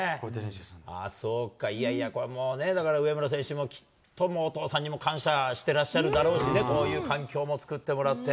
そうか、いやいや、だから上村選手も、きっともう、お父さんにも感謝してらっしゃるだろうしね、こういう環境も作ってもらって。